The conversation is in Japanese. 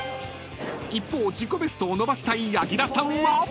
［一方自己ベストを伸ばしたい柳楽さんは］